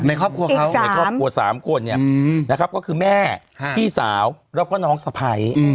ในครอบครัว๓คนก็คือแม่พี่สาวแล้วก็น้องสะพัย